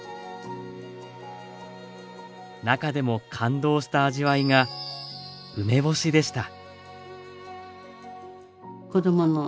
中でも感動した味わいが梅干しでした。